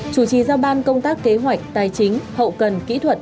chủ trì giao ban công tác kế hoạch tài chính hậu cần kỹ thuật